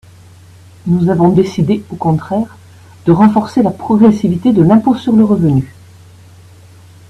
Nous avons décidé, au contraire, de renforcer la progressivité de l’impôt sur le revenu.